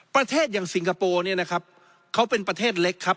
ประเทศอย่างสิงคโปร์เนี่ยนะครับเขาเป็นประเทศเล็กครับ